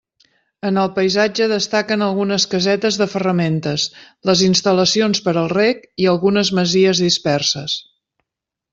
En el paisatge destaquen algunes casetes de ferramentes, les instal·lacions per al reg i algunes masies disperses.